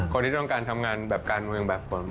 คนที่ต้องการทำงานแบบการเมืองแบบผม